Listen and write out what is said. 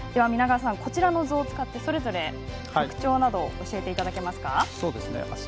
皆川さん、こちらの図を使ってそれぞれの特徴などを教えていただけますか。